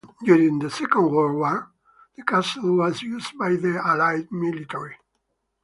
During the Second World War the castle was used by the Allied military.